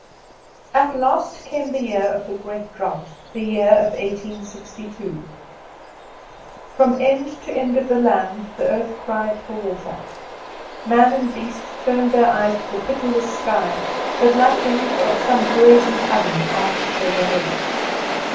At last came the year of the great drought, the year of eighteen sixty two. From end to end of the land the earth cried for water. Man and beast turned their eyes to the pitiless sky, that like the roof of some brazen oven arched overhead.